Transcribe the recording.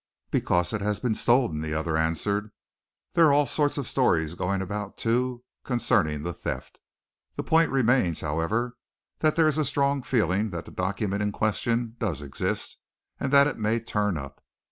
"Because it has been stolen," the other answered. "There are all sorts of stories going about, too, concerning the theft. The point remains, however, that there is a strong feeling that the document in question does exist, and that it may turn up.